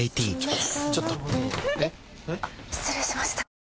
あっ失礼しました。